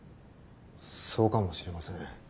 そうかもしれません。